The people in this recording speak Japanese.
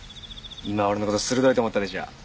今俺の事鋭いと思ったでしょ？